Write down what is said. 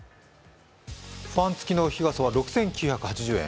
ファン付きの日傘は６９８０円。